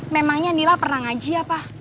memangnya nila pernah ngaji apa